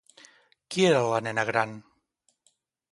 Qui era la nena gran?